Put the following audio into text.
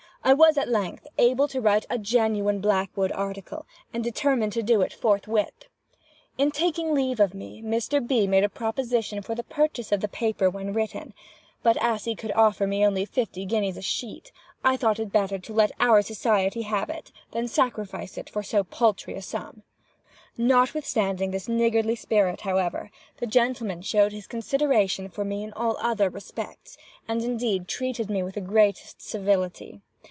I was, at length, able to write a genuine Blackwood article, and determined to do it forthwith. In taking leave of me, Mr. B. made a proposition for the purchase of the paper when written; but as he could offer me only fifty guineas a sheet, I thought it better to let our society have it, than sacrifice it for so paltry a sum. Notwithstanding this niggardly spirit, however, the gentleman showed his consideration for me in all other respects, and indeed treated me with the greatest civility.